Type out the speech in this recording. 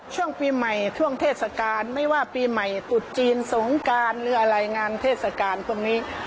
ช่วงปีใหม่ช่วงเทศกาลไม่ว่าปีใหม่ตุดจีนสงการหรืออะไรงานเทศกาลพวกนี้